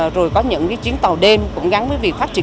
rồi có những chuyến tàu đêm cũng gắn với việc phát triển